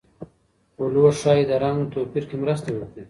اولو ښايي د رنګ توپیر کې مرسته وکړي.